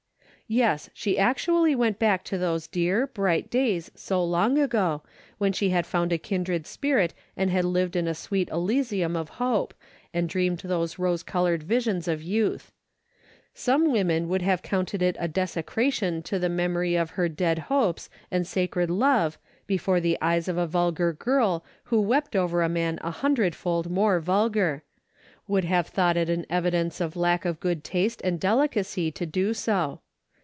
Yes, she actually went back to those dear, bright days so long ago, when she had found a kindred spirit and had lived in a sweet elysium of hope, and dreamed those rose colored visions of youth. Some women would have counted it a desecration to the memory of her dead hopes and sacred love before the eyes of a vul gar girl who wept over a man a hundredfold more vulgar; would have thought it an evi dence of lack of good taste and delicacy to do so.